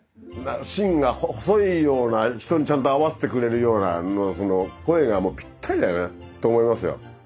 心が細いような人にちゃんと合わせてくれるようなその声がもうぴったりだよね。と思いますよ。